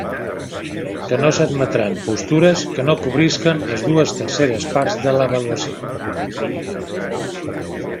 Que no s'admetran postures que no cobrisquen les dues terceres parts de l'avaluació.